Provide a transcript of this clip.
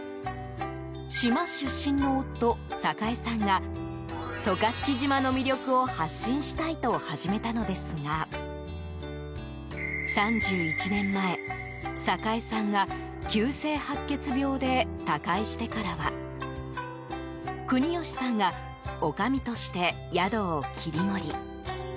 島出身の夫・栄さんが渡嘉敷島の魅力を発信したいと始めたのですが３１年前、栄さんが急性白血病で他界してからは国吉さんがおかみとして宿を切り盛り。